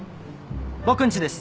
・僕んちです。